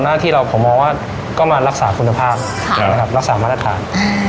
หน้าที่เราผมมองว่าก็มารักษาคุณภาพรักษามาตรฐาน